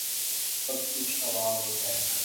سب کچھ ہوا میں ہے۔